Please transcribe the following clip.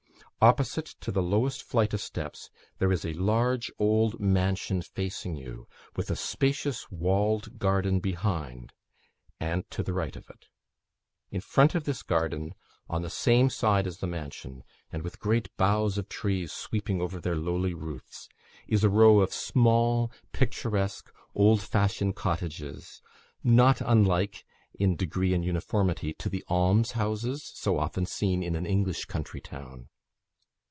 Opposite to the lowest flight of steps, there is a large old mansion facing you, with a spacious walled garden behind and to the right of it. In front of this garden, on the same side as the mansion, and with great boughs of trees sweeping over their lowly roofs, is a row of small, picturesque, old fashioned cottages, not unlike, in degree and uniformity, to the almshouses so often seen in an English country town.